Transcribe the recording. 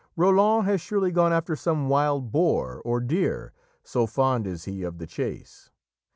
"Roland has surely gone after some wild boar or deer, so fond is he of the chase."